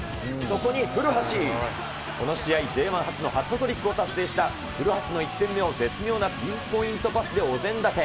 この試合、Ｊ１初のハットトリックを達成した古橋の１点目を絶妙なピンポイントパスでお膳立て。